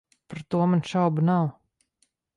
Par to man šaubu nav.